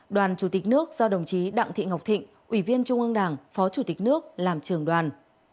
đoàn chủ tịch nước do đồng chí đặng thị ngọc thịnh ủy viên trung ương đảng phó chủ tịch nước làm trường đoàn